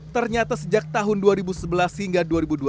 ternyata sejak tahun dua ribu sebelas hingga dua ribu dua puluh